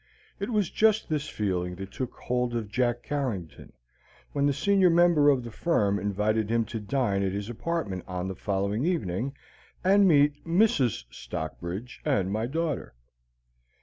It was just this feeling that took hold of Jack Carrington when the senior member of the firm invited him to dine at his apartment on the following evening and meet "Mrs. Stockbridge and my daughter."